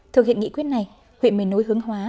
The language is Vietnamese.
thực hiện nghị quyết này huyện mền nối hưng hóa